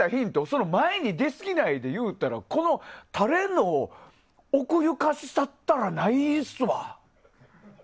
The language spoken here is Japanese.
その、前に出すぎないで言うたらこのタレの奥ゆかしさったらないっすわ。